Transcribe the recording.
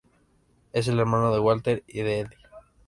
Es el hermano de Walter y de Eddy.